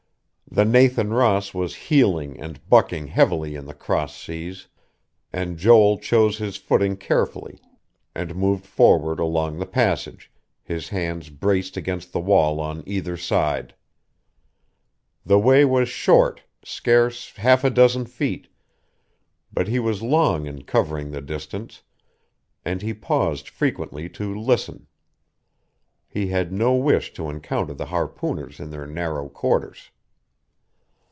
The Nathan Ross was heeling and bucking heavily in the cross seas, and Joel chose his footing carefully, and moved forward along the passage, his hands braced against the wall on either side. The way was short, scarce half a dozen feet; but he was long in covering the distance, and he paused frequently to listen. He had no wish to encounter the harpooners in their narrow quarters....